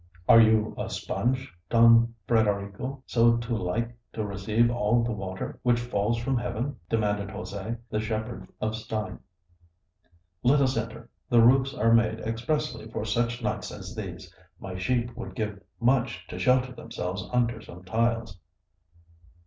"Are you a sponge, Don Frederico, so to like to receive all the water which falls from heaven?" demanded José, the shepherd of Stein. "Let us enter; the roofs are made expressly for such nights as these. My sheep would give much to shelter themselves under some tiles."